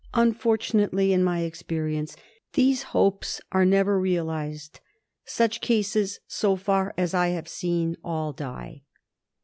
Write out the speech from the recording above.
Unfortunately, in my experience, these hopes are never realised. Such cases, so far as I have seen, all die.